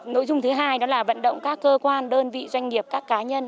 nội dung thứ hai đó là vận động các cơ quan đơn vị doanh nghiệp các cá nhân